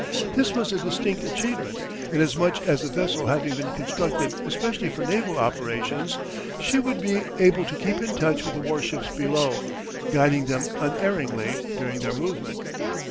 This was a distinct achievement, inasmuch as the vessel having been constructed especially for naval operations she would be able to keep in touch with the warships below, guiding them unerringly during their movement.